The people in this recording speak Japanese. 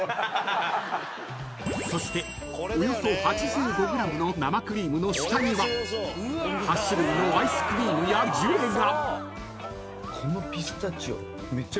［そしておよそ８５ｇの生クリームの下には８種類のアイスクリームやジュレが］